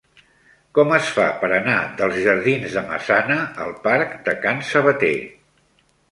Com es fa per anar dels jardins de Massana al parc de Can Sabater?